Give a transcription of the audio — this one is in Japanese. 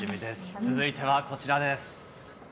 続いてはこちらです。